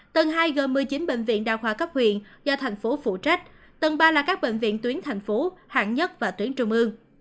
tầng hai gồm một mươi chín bệnh viện đa khoa cấp huyện do thành phố phụ trách tầng ba là các bệnh viện tuyến thành phố hạng nhất và tuyến trung ương